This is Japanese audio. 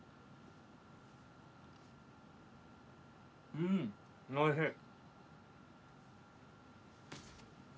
うんおいしい。